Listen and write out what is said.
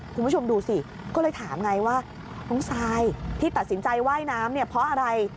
คุณผู้ชมดูสิก็เลยถามไงว่าน้องซายที่ตัดสินใจว่ายน้ำเนี่ยเพราะอะไร